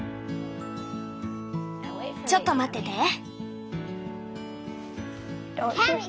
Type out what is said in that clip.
ちょっと待ってて。